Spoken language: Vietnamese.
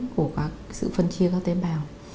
của sự phân chia các tế bào